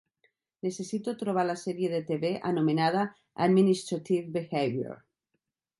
Necessito trobar la sèrie de TV anomenada Administrative Behavior